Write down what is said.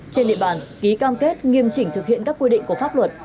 trên địa bàn ký cam kết nghiêm chỉnh thực hiện các quy định của pháp luật